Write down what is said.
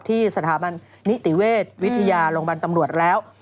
ที่สถาบันนิติเวชวิทยาโรงพยาบาลตำรวจแล้ว